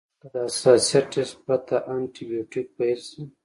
که د حساسیت ټسټ پرته انټي بیوټیک پیل شي.